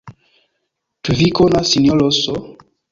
Ĉu vi konas Sinjoron S.